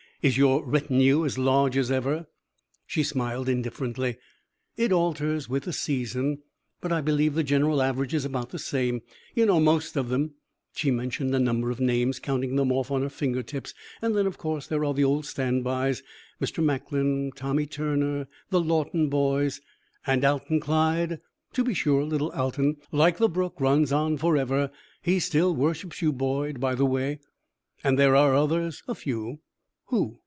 Is your retinue as large as ever?" She smiled indifferently. "It alters with the season, but I believe the general average is about the same. You know most of them." She mentioned a number of names, counting them off on her finger tips. "Then, of course, there are the old standbys, Mr. Macklin, Tommy Turner, the Lawton boys " "And Alton Clyde!" "To be sure; little Alton, like the brook, runs on forever. He still worships you, Boyd, by the way." "And there are others?" "A few." "Who?"